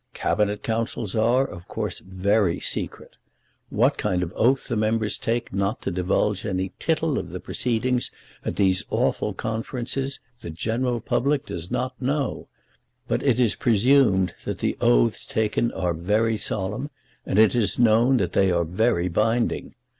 Cabinet Councils are, of course, very secret. What kind of oath the members take not to divulge any tittle of the proceedings at these awful conferences, the general public does not know; but it is presumed that oaths are taken very solemn, and it is known that they are very binding.